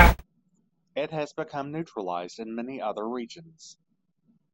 It has become naturalized in many other regions.